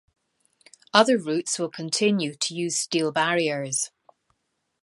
Other routes will continue to use steel barriers.